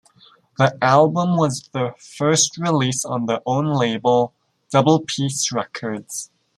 The album was the first release on their own label Double Peace Records.